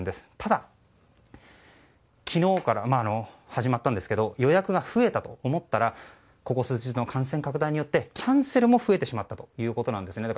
ただ、昨日から始まったんですけれども予約が増えたと思ったらここ数日の感染拡大によってキャンセルも増えてしまったということです。